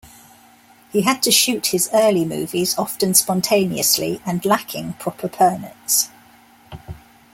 He had to shoot his early movies often spontaneously and lacking proper permits.